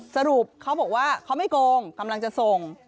สรุปเขาบอกว่าเขาไม่โกงกำลังจะส่ง